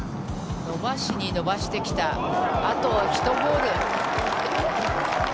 伸ばしに伸ばしてきた、あと１ホール。